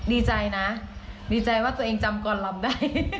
ดีใจนะดีใจว่าตัวเองจำก่อนลำได้